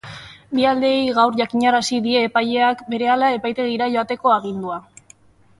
Bi aldeei gaur jakinarazi die epaileak berehala epaitegira joateko agindua.